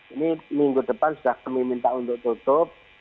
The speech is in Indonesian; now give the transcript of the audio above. ini minggu depan sudah kami minta untuk tutup